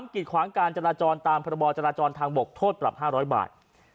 กิดขวางการจราจรตามพบจราจรทางบกโทษปรับ๕๐๐บาท